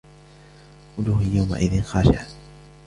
وجوه يومئذ خاشعة